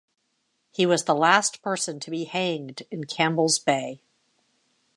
He was the last person to be hanged in Campbell's Bay.